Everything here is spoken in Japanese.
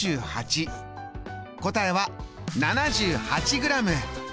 答えは７８ｇ。